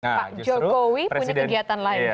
pak jokowi punya kegiatan lain